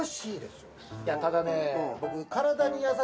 いやただねぇ僕。